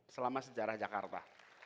selama sejarah jakarta